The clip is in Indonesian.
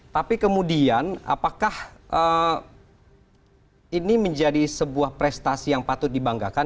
tapi kemudian apakah ini menjadi sebuah prestasi yang patut dibanggakan